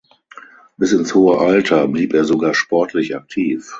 Bis ins hohe Alter blieb er sogar sportlich aktiv.